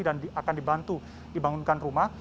dan akan dibantu dibangunkan rumah